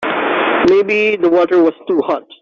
Maybe the water was too hot.